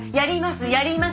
やります。